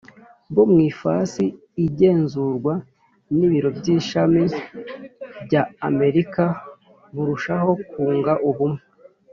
Bo mu ifasi igenzurwa n ibiro by ishami bya amerika barushaho kunga ubumwe